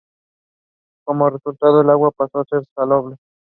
Como resultado, el agua pasó a ser salobre.